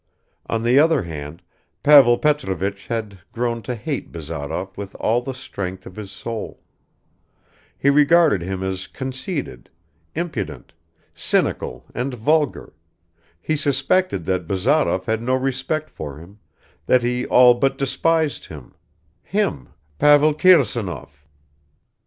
On the other hand, Pavel Petrovich had grown to hate Bazarov with all the strength of his soul; he regarded him as conceited, impudent, cynical and vulgar, he suspected that Bazarov had no respect for him, that he all but despised him him, Pavel Kirsanov!